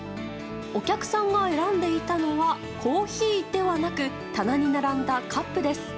お客さんが選んでいたのはコーヒーではなく棚に並んだカップです。